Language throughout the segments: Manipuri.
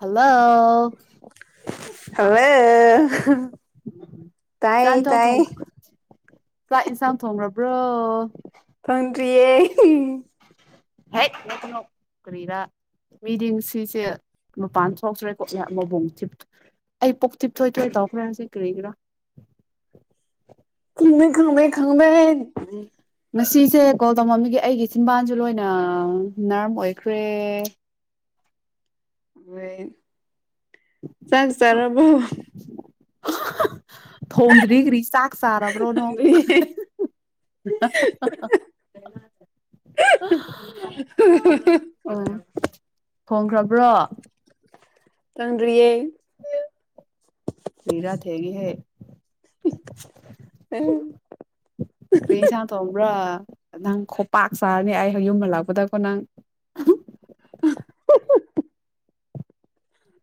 ꯍꯜꯂꯣ ꯍꯜꯂꯣ ꯆ ꯇꯥꯏꯌꯦ ꯆꯣ ꯊ ꯇꯥꯏꯌꯦ ꯆꯥꯛ ꯌꯦꯟꯁꯥꯡ ꯊꯣꯡꯈꯕ꯭ꯔꯣ ꯇꯔꯤꯌꯦ ꯍꯦꯛ ꯅ ꯀꯩꯅꯣ ꯀꯔꯤꯔꯥ ꯃꯤꯗꯤꯡ ꯁꯤꯁꯦ ꯃꯄꯥꯟ ꯊꯣꯛꯇ꯭ꯔꯦꯀꯣ ꯃꯕꯣꯡꯤ ꯑꯩ ꯄꯣꯛ ꯊꯤꯞ ꯊꯣꯏꯊꯣꯏ ꯇꯧꯈ꯭ꯔꯦ ꯍꯧꯖꯤꯛ ꯀꯔꯤꯒꯤꯔꯥ ꯈꯪꯗꯦ ꯈꯪꯗꯦ ꯈꯪꯗꯦ ꯉꯁꯤꯁꯦ ꯀꯣꯜ ꯇꯧꯃꯝꯃꯤꯒꯦ ꯑꯩꯒꯤ ꯏꯆꯤꯟꯕꯥꯟꯁꯨ ꯂꯣꯏꯅ ꯅꯔꯝ ꯑꯣꯏꯈ꯭ꯔꯦ [unintelligible] ꯆꯪ ꯇꯔꯣꯔꯕꯣ [inaudible] ꯊꯣꯡꯗ꯭ꯔꯤ ꯀ꯭ꯔꯤ ꯆꯥꯛ ꯆꯥꯔꯕ꯭ꯔꯣꯅꯣ ꯈꯪꯗ꯭ꯔꯤꯌꯦ ꯎꯝ ꯊꯣꯡꯈ꯭ꯔꯕ꯭ꯔꯣ ꯅꯟꯌꯦ ꯀꯦꯁꯥꯡ ꯇꯣꯡꯝꯕ꯭ꯔꯥ ꯅꯪ ꯈꯣꯄꯥꯛ ꯆꯥꯔꯅꯤ ꯑꯩ ꯌꯨꯝ ꯍꯜꯂꯛꯄꯗꯀꯣ ꯅꯪ [inaudible]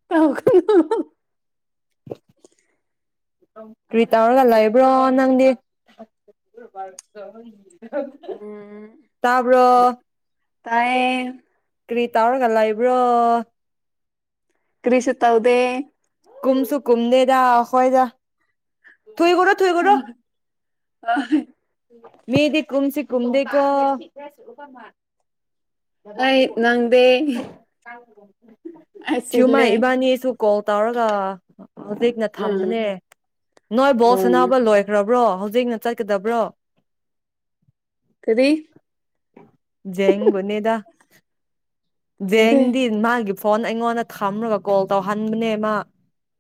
ꯇ ꯀꯔꯤꯇꯥꯔꯒꯂꯑꯕ꯭ꯔ ꯅꯪꯗꯤ ꯎꯝ ꯇꯕ ꯇꯥꯏꯌꯦ ꯀ꯭ꯔꯤ ꯇꯥꯎꯔꯒꯜꯂ ꯏꯕ꯭ꯔꯣ ꯀ꯭ꯔꯤꯁ ꯇꯥꯎꯗꯦ ꯀꯨꯝꯃꯁꯨ ꯀꯨꯝꯗꯦꯗꯥ ꯍꯣꯏꯗ ꯊꯨꯏ ꯀꯣ ꯊꯨꯏ ꯀꯣ ꯑ ꯃꯦꯗꯤ ꯀꯨꯨꯝꯁꯤ ꯀꯨꯝꯗꯀ ꯑꯩ ꯅꯪꯗꯦ ꯌꯥꯁꯦ ꯀ ꯑꯩ ꯊꯨꯃ ꯆꯤꯜꯂꯦ ꯏꯕꯥꯅꯤꯁꯨ ꯀꯣꯜ ꯇꯧꯔꯒ ꯍꯧꯖꯤꯛꯅ ꯎꯝ ꯊꯝꯕꯅꯦ ꯅꯣꯏ ꯕꯣꯛꯁ ꯎꯝ ꯑꯅꯥꯕ ꯂꯣꯏꯈ꯭ꯔꯕ ꯭ꯔꯣ ꯍꯧꯖꯤꯛꯅ ꯆꯠꯀꯗꯕ꯭ꯔꯣ ꯀꯗꯤ ꯖꯦꯒꯨ ꯈꯪꯗꯦ ꯦꯡꯦꯡꯗꯤ ꯃꯥꯒꯤ ꯐꯣꯟ ꯑꯩꯉꯣꯟꯗ ꯊꯝꯃꯒ ꯀꯣꯜ ꯇꯧꯍꯟꯕꯅꯦ ꯃꯥ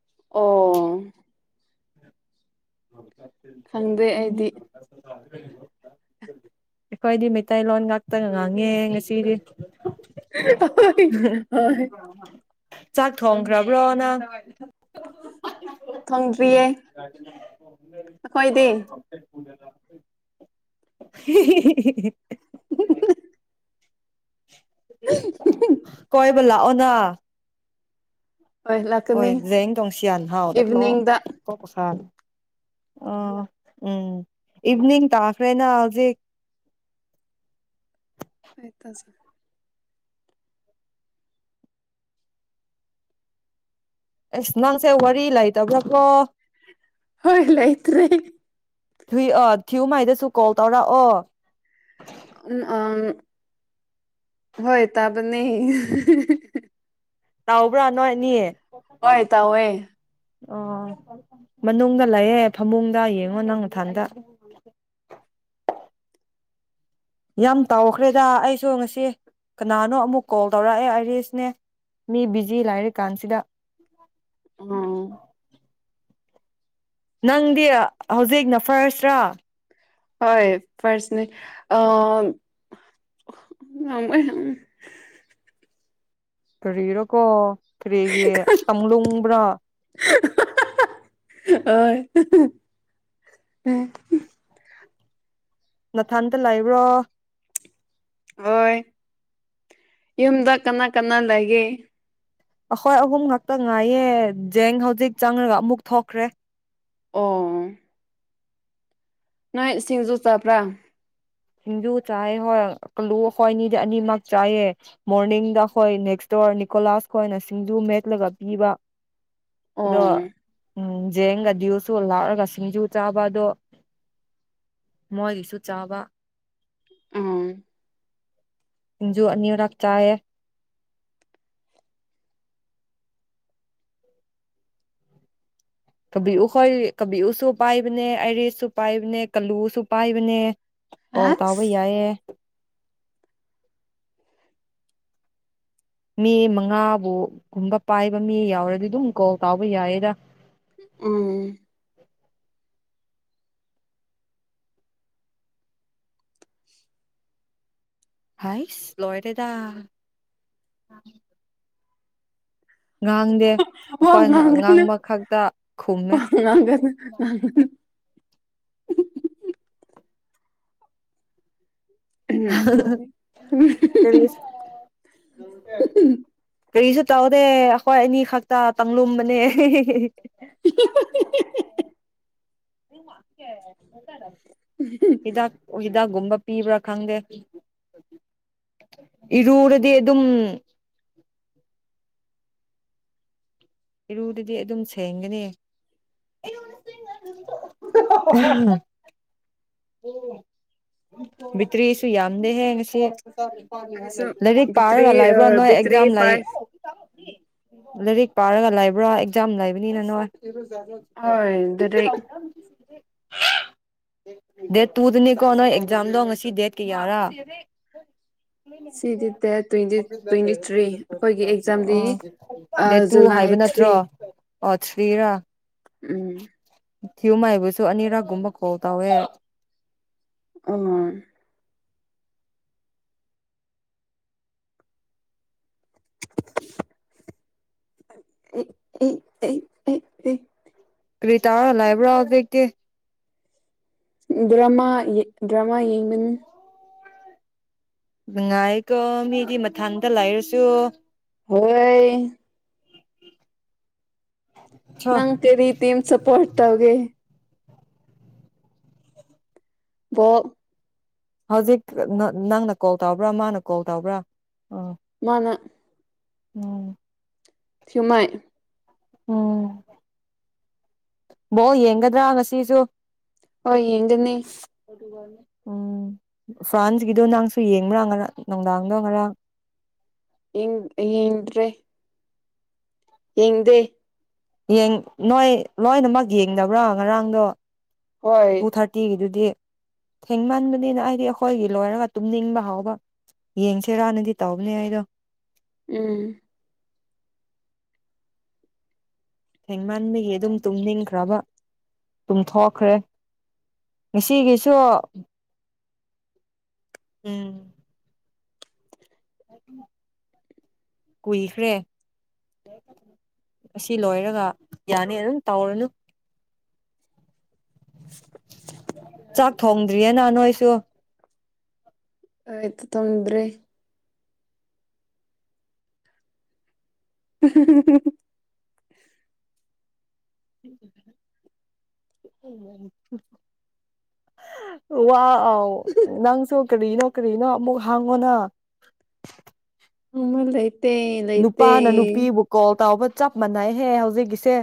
ꯑꯣ ꯍ ꯈꯪꯗꯦ ꯑꯩꯗꯤ ꯑ ꯀꯣ ꯑꯩꯈꯣꯏꯗꯤ ꯃꯩꯇꯩꯂꯣꯟ ꯉꯥꯛꯇꯒ ꯉꯥꯡꯉꯦ ꯉꯁꯤꯗꯤ ꯍ ꯍ ꯆꯥꯛ ꯊꯣꯡꯈ꯭ꯔꯕ꯭ꯔꯣ ꯅꯪ ꯊꯣꯡꯗꯔꯤꯌꯦ ꯑꯩꯈꯣꯏꯗꯤ ꯄꯨꯗ ꯂꯥꯛꯦ [unintelligible] [unintelligible] ꯀꯣꯏꯕꯂ ꯑꯣꯅꯥ ꯍꯣꯏ ꯖꯦꯡ ꯇꯣꯡꯁꯤꯌꯥꯟ ꯏꯚꯤꯅꯤꯡꯗ ꯍꯥꯎꯗꯂꯣꯁꯥ ꯑ ꯎꯝ ꯏꯚꯅꯤꯡ ꯇꯈꯔꯦꯅ ꯍꯧꯖꯤ ꯑꯩ ꯇꯖ ꯑꯦꯁ ꯅꯪꯁꯦ ꯋꯥꯔꯤ ꯂꯩꯇꯕ꯭ꯔꯥ ꯀꯣ ꯍꯣꯏ ꯂꯥꯏꯇꯦ ꯊꯨꯏ ꯊꯤꯌꯨꯃꯥꯏꯗꯁꯨ ꯀꯣꯜ ꯇꯧꯔꯛꯑꯣ ꯎ ꯑꯝ ꯍꯣꯏ ꯇꯕ ꯅ ꯇꯥꯎꯕ꯭ꯔꯥ ꯅꯣꯏꯅꯤꯌꯦ ꯍꯣꯏ ꯇ ꯍꯦ ꯑꯣ ꯃꯅꯨꯡꯗ ꯂꯩꯌꯦꯦ ꯐꯃꯨꯡꯗ ꯌꯦꯡꯉꯣ ꯅꯪ ꯃꯊꯥꯟꯗ ꯌꯥꯝ ꯇꯥꯎꯈ꯭ꯔꯦꯗ ꯑꯩꯁꯨ ꯉꯁꯤ ꯀꯅꯥꯅꯣ ꯑꯃꯨꯛ ꯀꯣꯜ ꯇꯧꯔꯛꯑꯦ ꯑꯔꯤꯁꯅꯦ ꯃꯤ ꯕꯤꯖꯤ ꯂꯥꯏꯔꯤ ꯀꯥꯟꯁꯤꯗ ꯑꯝ ꯅꯪꯗꯤ ꯍꯧꯖꯤꯛꯅ ꯐꯔꯁ꯭ꯔꯥ ꯍꯣꯏ ꯄꯔꯁꯅꯦꯂꯤ ꯇ ꯍꯔꯣ ꯀꯣ ꯀꯔꯤꯒꯤ ꯇꯂꯨꯡꯕ꯭ꯔꯥ ꯍ ꯎ ꯅꯊꯟꯇ ꯂꯩꯕ꯭ꯔꯣ꯫ ꯍꯣꯏ ꯌꯨꯝꯗ ꯀꯅꯥ-ꯀꯅꯥ ꯂꯩꯒꯦ꯫ ꯑꯈꫭꯏ ꯑꯍꯨꯝ ꯉꯛꯇ ꯉꯥꯏꯌꯦ ꯖꯦꯡ ꯍꯧꯖꯤꯛ ꯆꯪꯔꯒ ꯑꯃꯨꯛ ꯊꯣꯛꯈ꯭ꯔꯦ꯫ ꯑꯣ ꯅꯣꯏ ꯁꯤꯡꯖꯨ ꯆꯥꯄ꯭ꯔꯥ꯫ ꯁꯤꯡꯖꯨ ꯆꯥꯏ ꯍꯣꯏ ꯀꯂꯨ ꯑꯈꯣꯏ ꯑꯅꯤꯗꯤ ꯑꯅꯤꯃꯛ ꯆꯥꯏꯑꯦ ꯃꯣꯔꯅꯤꯡꯗ ꯑꯈꯣꯏ ꯅꯦꯛꯁ ꯗꯣꯔ ꯅꯤꯀꯣꯂꯥꯁ ꯈꯣꯏꯅ ꯁꯤꯡꯖꯨ ꯃꯦꯠꯂꯒ ꯄꯤꯕ꯫ ꯑꯗꯣ ꯑꯣ ꯎꯝ ꯖꯦꯡꯒ ꯗꯤꯜꯁꯨ ꯂꯥꯛꯔꯒ ꯁꯤꯡꯖꯨ ꯆꯥꯕ ꯑꯗꯣ ꯃꯣꯏꯒꯤꯁꯨ ꯆꯥꯕ꯫ ꯎꯝ ꯁꯤꯟꯖꯨ ꯑꯅꯤꯔꯥꯛ ꯆꯥꯌꯦ꯫ ꯀꯕꯤꯎ ꯈꯣꯏ ꯀꯕꯤꯎꯁꯨ ꯄꯥꯏꯕꯅꯦ ꯑꯥꯏꯔꯤꯁꯁꯨ ꯄꯥꯏꯕꯅꯦ ꯀꯜꯂꯨꯁꯨ ꯄꯥꯏꯕꯅꯦ꯫ ꯀꫭꯜ ꯇꯧꯕ ꯑꯁ ꯌꯥꯏꯌꯦ꯫ ꯃꯤ ꯃꯉꯥꯕꯨꯒꯨꯝꯕ ꯄꯥꯏꯕ ꯃꯤ ꯌꯥꯎꯔꯗꯤ ꯑꯗꯨꯝ ꯀꯣꯜ ꯇꯥꯎꯕ ꯌꯥꯏꯌꯦꯗ꯫ ꯎꯝ ꯍꯥꯏꯁ ꯂꯣꯏꯔꯦꯗꯥ꯫ ꯋꯥ ꯑꯩꯈꯣꯏ ꯉꯥꯡꯒꯅꯨ ꯉꯥꯡꯕ ꯈꯛꯇ ꯈꯨꯝꯃꯦ ꯋꯥ ꯉꯥꯡꯒꯅ ꯉꯥꯡꯒꯅꯨ꯫ ꯀꯔꯤ ꯎꯝ ꯀꯔꯤꯁꯨ ꯇꯧꯗꯦ ꯑꯈꯣꯏ ꯑꯅꯤ ꯈꯛꯇꯥ ꯇꯪꯂꯨꯝꯕꯅꯦ꯫ [inaudible] [unintelligible] ꯍꯤꯗꯥꯛ ꯎꯏ ꯍꯤꯗꯥꯛꯒꯨꯝꯕ ꯄꯤꯕ꯭ꯔꯥ ꯈꯡꯗꯦ ꯏꯔꯨꯔꯗꯤ ꯑꯗꯨꯝ ꯏꯔꯨꯗꯗꯤ ꯑꯗꯨꯝ ꯁꯦꯡꯒꯅꯤ꯫ ꯕꯤꯠꯇ꯭ꯔꯤꯁꯨ ꯌꯥꯝꯗꯦꯍꯦ ꯉꯁꯤ꯫ ꯑꯩꯁꯨ ꯂꯥꯏꯔꯤꯛ ꯕꯤꯇ꯭ꯔꯤ ꯄꯥꯔꯒ ꯂꯩꯕ꯭ꯔꯣ ꯅꯣꯏ ꯕꯤꯇ꯭ꯔꯤ ꯑꯦꯛꯖꯥꯝ ꯂꯩ ꯐꯥꯏꯚ ꯂꯥꯏꯔꯤꯛ ꯄꯥꯔꯒ ꯂꯩꯕ꯭ꯔꯥ ꯑꯦꯛꯖꯥꯝ ꯂꯩꯕꯅꯤꯅ ꯅꯣꯏ꯫ ꯍꯣꯏ ꯗꯥꯏꯔꯦꯛ [unintelligible] ꯗꯦꯠ ꯇꯨꯗꯅꯤꯀꯣ ꯅꯣꯏ ꯑꯦꯛꯖꯥꯝꯗꯣ ꯉꯁꯤ ꯗꯦꯠ ꯀꯌꯥꯔꯥ꯫ ꯁꯤꯗꯤ ꯗꯦꯠ ꯇ꯭ꯋꯦꯟꯇꯤ ꯇ꯭ꯋꯦꯟꯇꯤ ꯊ꯭ꯔꯤ ꯑꯈꯣꯏꯒꯤ ꯑꯦꯛꯖꯥꯝꯗꯤ ꯑꯣ ꯑ ꯗꯦꯠ ꯇꯨ ꯖꯨꯂꯥꯏ ꯍꯥꯏꯕ ꯊ꯭ꯔꯤ꯫ ꯅꯠꯇ꯭ꯔꯣ ꯑꯣ ꯊ꯭ꯔꯤꯔꯥ꯫ ꯎꯝ ꯊꯤꯌꯨꯃꯥꯏ ꯕꯨꯁꯨ ꯑꯅꯤꯔꯛꯒꯨꯝꯕ ꯀꫭꯜ ꯇꯧꯋꯦ꯫ ꯑꯥ ꯑꯦ ꯑꯦ ꯑꯦ ꯑꯦ ꯀꯔꯤ ꯇꯧꯔ ꯂꯩꯕ꯭ꯔꫭ ꯍꯧꯖꯤꯛꯇꯤ꯫ ꯗ꯭ꯔꯃꯥ ꯌꯦ ꯗ꯭ꯔꯃꯥ ꯌꯦꯡꯕꯅꯤ꯫ ꯅꯨꯡꯉꯥꯏꯀꯣ ꯃꯤꯗꯤ ꯃꯊꯥꯟꯇ ꯂꯩꯔꯁꯨ꯫ ꯍꯣꯏ ꯁꯣ ꯅꯪ ꯀꯦꯔꯤ ꯇꯤꯝ ꯁꯄꯣꯔꯠ ꯇꯧꯒꯦ꯫ [inaudible] ꯕꯣꯜ ꯍꯧꯖꯤꯛ ꯅꯡꯅ ꯀꯣꯜ ꯇꯧꯕ꯭ꯔꯥ ꯃꯥꯅ ꯀꯣꯜ ꯇꯧꯕ꯭ꯔꯥ ꯑꯥ ꯃꯥꯅ ꯎꯝ ꯊ꯭ꯌꯤꯎꯃꯥꯏ ꯎꯝ ꯕꯣꯜ ꯌꯦꯡꯒꯗ꯭ꯔꯥ ꯉꯁꯤꯁꯨ ꯑꯣ ꯌꯦꯡꯒꯅꯤ ꯎꯝ ꯐ꯭ꯔꯥꯟꯁꯀꯤꯗꯣ ꯅꯪꯁꯨ ꯌꯦꯡꯕ꯭ꯔꯥ ꯉꯔꯥꯡ ꯅꯨꯡꯗꯥꯡꯗꯣ ꯉꯔꯥꯡ ꯏꯡ ꯑꯩ ꯌꯦꯡꯗ꯭ꯔꯦ ꯌꯦꯡꯗꯦ ꯌꯦꯡ ꯅꯣꯏ ꯂꯣꯏꯅꯃꯛ ꯌꯦꯡꯗꯕ꯭ꯔꯥ ꯉꯔꯥꯡꯗꯣ ꯍꯣꯏ ꯇꯨ ꯊꯔꯇꯤꯒꯤꯗꯨꯗꯤ ꯊꯦꯡꯃꯟꯕꯅꯤꯅ ꯑꯩꯗꯤ ꯑꯩꯈꯣꯏꯒꯤ ꯂꯣꯏꯔꯒ ꯇꯨꯝꯅꯤꯡꯕ ꯍꯥꯎꯕ ꯌꯦꯡꯁꯤꯔꯥꯅꯗꯤ ꯇꯧꯕꯅꯦ ꯑꯩꯗꯣ ꯎꯝ ꯃꯥꯟꯕꯒꯤ ꯑꯗꯨꯝ ꯇꯨꯝꯅꯤꯡꯈ꯭ꯔꯕ ꯇꯨꯝꯊꯣꯛꯈ꯭ꯔꯦ ꯉꯁꯤꯒꯤꯁꯨ ꯎꯝ ꯀꯨꯏꯈ꯭ꯔꯦ ꯑꯁꯤ ꯂꯣꯏꯔꯒ ꯌꯥꯅꯤ ꯑꯗꯨꯝ ꯇꯧꯔꯅꯨ ꯆꯥꯛ ꯊꯣꯡꯗ꯭ꯔꯤꯌꯦꯅ ꯅꯣꯏꯁꯨ ꯑ ꯑꯩ ꯇ ꯊꯣꯡꯗ꯭ꯔꯤ ꯍꯨꯝ ꯍꯨꯝ ꯍꯨꯝ ꯍꯨꯝ ꯋꯥ ꯑꯥꯎ ꯅꯪꯁꯨ ꯀꯔꯤꯅꯣ ꯀꯔꯤꯅꯣ ꯑꯃꯨꯛ ꯍꯥꯡꯉꯣꯅ ꯎꯃꯥꯡꯂꯩ ꯅꯨꯄꯥꯅ ꯅꯨꯄꯤꯕꯨ ꯀꯣꯜ ꯇꯥꯎꯕ ꯆꯞ ꯃꯥꯟꯅꯩꯍꯦ ꯍꯧꯖꯤꯛꯀꯤꯁꯦ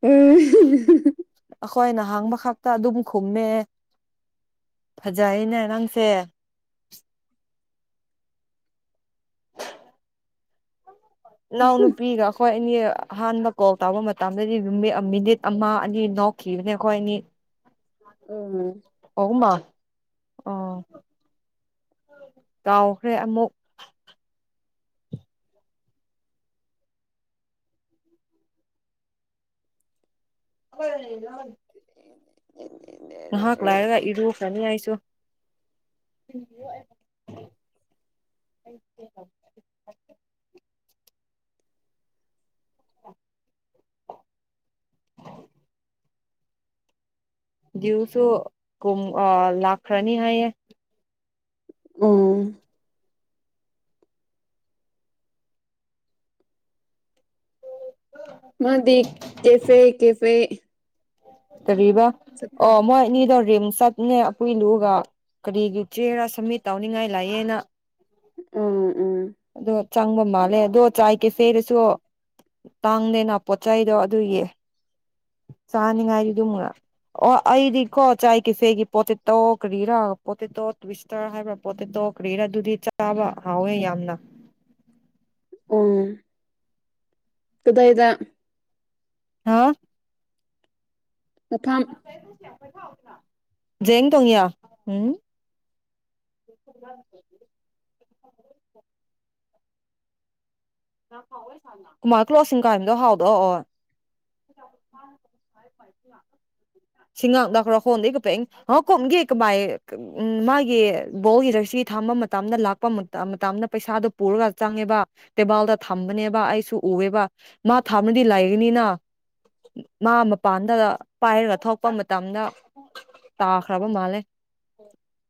ꯎꯝ ꯍꯨꯡ ꯍꯨꯡ ꯍꯨꯡ ꯈꯣꯏ ꯅ ꯍꯥꯡꯕ ꯈꯛꯇ ꯑꯗꯨꯝ ꯈꯨꯝꯃꯦ ꯐꯖꯩꯅꯦ ꯅꯪꯁꯦ ꯏꯅꯥꯎꯅꯨꯄꯤꯒ ꯑꯈꯣꯏ ꯑꯅꯤꯌ ꯑꯍꯥꯟꯕ ꯀꯣꯜ ꯇꯧꯕ ꯃꯇꯝꯗꯗꯤ ꯅꯨꯃꯤ ꯃꯤꯅꯤꯠ ꯑꯃ ꯑꯅꯤ ꯅꯣꯛꯈꯤꯕꯅꯦ ꯑꯩꯈꯣꯏ ꯑꯅꯤ [unintelligible] ꯎꯝ ꯃꯥ ꯑꯣ ꯀꯥꯎꯈ꯭ꯔꯦ ꯑꯃꯨꯛ ꯀꯥꯏ ꯂꯩꯔꯤꯅꯣꯍꯩ [unintelligible] ꯉꯍꯥꯛ ꯂꯩꯏꯔꯒ ꯏꯔꯨ ꯖꯅꯤ ꯑꯩꯁꯨ [unintelligible] ꯌꯨ ꯁꯨ ꯀꯨꯝ ꯑ ꯂꯥꯛꯈ꯭ꯔꯅꯤ ꯍꯥꯏꯌꯦ ꯎꯝ ꯃꯥꯗꯤ ꯀꯦꯐꯦ ꯀꯦꯐꯦ ꯀꯔꯤꯕ ꯆꯠꯄ꯭ꯔꯥ ꯑꯣ ꯃꯣꯏ ꯑꯅꯤꯗꯣ ꯔꯤꯝꯁ ꯆꯠꯅꯦ ꯑꯄꯨ ꯏꯂꯨꯒ ꯀꯔꯤꯒꯤ ꯆꯦꯔꯥ ꯁꯝꯃꯤꯠ ꯇꯧꯅꯤꯡꯉꯥꯏ ꯂꯥꯛꯑꯦꯅ ꯎꯝ ꯑꯗꯣ ꯆꯪꯕ ꯃꯥꯜꯂꯦ ꯑꯗꯣ ꯆꯥꯏ ꯀꯦꯐꯦꯗꯁꯨ ꯇꯥꯡꯗꯦꯅ ꯄꯣꯠ ꯆꯩꯗꯣ ꯑꯗꯨꯒꯤ ꯆꯥꯅꯤꯉꯥꯏꯗꯤ ꯑꯗꯨꯝ ꯑꯣ ꯑꯩꯗꯤꯀꯣ ꯆꯥꯏ ꯀꯦꯐꯦꯒꯤ ꯄꯣꯇꯦꯇꯣ ꯀꯔꯤꯔꯥ ꯄꯣꯇꯦꯇꯣ ꯇ꯭ꯋꯤꯁꯇꯔ ꯍꯥꯏꯕ꯭ꯔꯥ ꯄꯣꯇꯦꯇꯣ ꯀ꯭ꯔꯤꯔꯥ ꯑꯗꯨꯗꯤ ꯆꯥꯕ ꯍꯥꯎꯋꯦ ꯌꯥꯝꯅ ꯑꯣ ꯀꯗꯥꯏꯗ ꯍꯥ ꯃꯊꯥꯝ ꯖ ꯇꯣꯡꯉꯌꯥ ꯎꯝ ꯀꯨꯃꯥꯔ ꯀ꯭ꯂꯣꯁꯤꯡ ꯀꯥꯏꯝꯗꯣ ꯍꯥꯎꯗꯣ ꯑꯣ ꯁꯤꯉꯥꯡꯅ ꯈꯔ ꯍꯣꯟꯗ ꯀꯣꯝꯒꯦ ꯀꯃꯥꯏ ꯎ ꯃꯥꯒꯤ ꯕꯣꯜꯒꯤ ꯗꯁꯤ ꯊꯥꯝꯕ ꯃꯇꯝꯗ ꯂꯥꯛꯄ ꯃꯇꯝꯗ ꯄꯩꯁꯥꯗꯣ ꯄꯨꯔꯒ ꯆꯪꯉꯦꯕ ꯇꯦꯕꯜꯗ ꯊꯝꯕꯅꯦꯕ ꯑꯩꯁꯨ ꯎꯑꯦꯕ ꯃꯥ ꯊꯅꯗꯤ ꯂꯩꯒꯅꯤꯅ ꯃꯥ ꯃꯄꯥꯟꯗ ꯄꯥꯏꯔꯒ ꯊꯂꯛꯄ ꯃꯇꯝꯗ ꯇꯥꯈ꯭ꯔꯕ ꯃꯥꯜꯂꯦ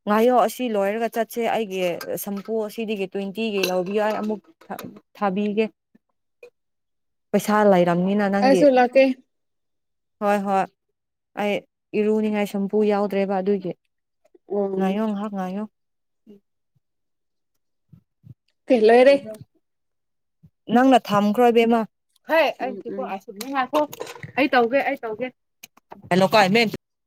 ꯉꯥꯏꯥꯌꯣ ꯑꯁꯤ ꯂꯣꯏꯔꯒ ꯆꯠꯁꯦ ꯑꯩꯒꯤ ꯁꯝꯄꯨ ꯑꯁꯤꯗꯒꯤ ꯇ꯭ꯋꯦꯟꯇꯤꯒꯤ ꯂꯧꯕꯤ ꯌꯥꯏ ꯑꯃꯨꯛ ꯊꯥꯕꯤꯒꯦ ꯄꯩꯁꯥ ꯂ ꯝꯃꯤꯅ ꯅꯪꯒꯦ ꯑꯩꯁꯨ ꯂꯥꯛꯀꯦ ꯍꯣꯏ ꯍꯣꯏ ꯑꯩ ꯏꯔꯨꯅꯤꯡꯉꯥꯏ ꯁꯨꯝꯄꯨ ꯌꯥꯎꯗ꯭ꯔꯦꯕ ꯑꯗꯨꯒꯤ ꯑꯣ ꯉꯥꯏꯣꯍ ꯉꯌꯣ ꯎꯝ ꯀꯩ ꯀꯌꯥ ꯑꯣꯏ ꯂꯣꯏꯔꯦ ꯅꯪꯅ ꯊꯝꯈ꯭ꯔꯣ ꯏꯕꯦꯝꯃ ꯍꯥꯏ ꯑ ꯎꯝ ꯀ ꯀꯣ ꯎꯝ ꯑꯁ ꯉꯅꯥꯈꯣ ꯑꯩ ꯇꯧꯒꯦ ꯑꯩ ꯇꯧꯒꯦ ꯂ ꯀꯥꯏꯃꯦꯟ